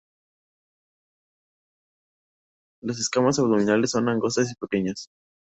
Las escamas abdominales son angostas y pequeñas.